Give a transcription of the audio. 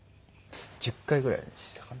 １０回ぐらいしたかな。